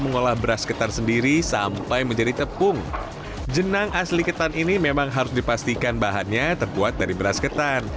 mengolah beras ketan sendiri sampai menjadi tepung jenang asli ketan ini memang harus dipastikan bahannya terbuat dari beras ketan